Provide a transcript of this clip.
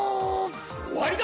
終わりだ！